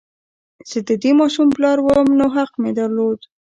زه د دې ماشوم پلار وم نو حق مې درلود